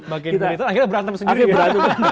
makin militan akhirnya berantem sendiri ya